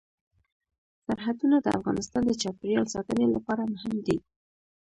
سرحدونه د افغانستان د چاپیریال ساتنې لپاره مهم دي.